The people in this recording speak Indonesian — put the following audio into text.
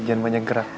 jangan banyak gerak